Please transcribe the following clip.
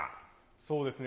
そうですね。